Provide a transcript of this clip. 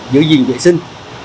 giữ gìn vệ sinh